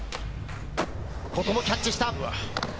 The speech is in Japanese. ここもキャッチした。